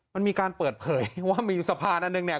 มันมีการเปิดเผยว่ามีสะพานอันหนึ่งเนี่ย